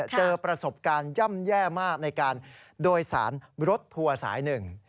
เจอประสบการณ์ย่ำแย่มากในการโดยสารรถทัวร์สายหนึ่ง